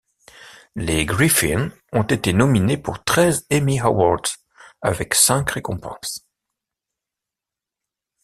Les Griffin ont été nominés pour treize Emmy awards, avec cinq récompenses.